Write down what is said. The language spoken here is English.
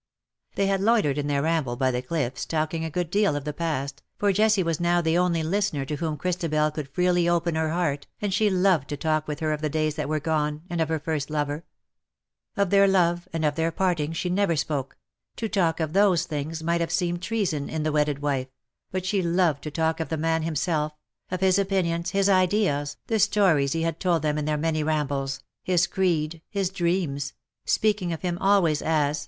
They had loitered in their ramble by the cliffs, talking a good deal of the past, for Jessie was now the only listener to whom Christabel could freely open her heart, and she loved to talk with her of the days that were gone, and of her first lover. Of their love and of their parting she never spoke — to talk of those things might have seemed treason in the wedded wife — but she loved to talk of the man himself — of his opinions, his ideas, the stories he had told them in their many rambles — his creed, his dreams — speaking of him always as " Mr. Ham VOL.